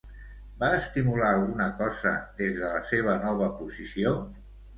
Va estimular alguna cosa des de la seva nova posició?